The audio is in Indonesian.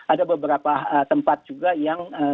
ada beberapa tempat juga yang